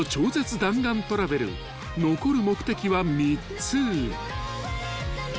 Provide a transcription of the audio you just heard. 弾丸トラベル残る目的は３つ］